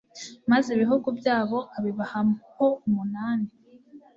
Maze ibihugu byabo abibahaho umunani